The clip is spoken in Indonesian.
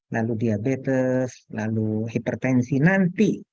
lalu diabetes lalu hipertensi nanti